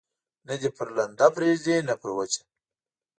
نه دي پر لنده پرېږدي، نه پر وچه.